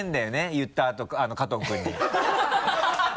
言ったあと加藤君に。ハハハ